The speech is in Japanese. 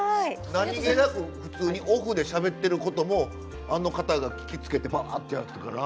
何気なく普通にオフでしゃべってることもあの方が聞きつけてバーっとやってるから。